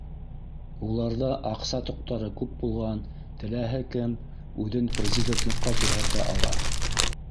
Уларҙа аҡса тоҡтары күп булған теләһә кем үҙен президентлыҡҡа күрһәтә ала